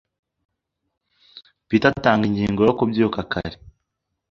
Peter atanga ingingo yo kubyuka kare.